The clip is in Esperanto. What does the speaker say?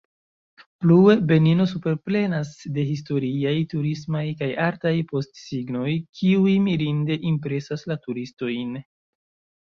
Plue, Benino superplenas de historiaj, turismaj, kaj artaj postsignoj, kiuj mirinde impresas la turistojn.